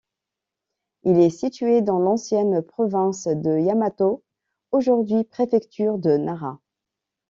Il est situé dans l'ancienne province de Yamato, aujourd'hui préfecture de Nara.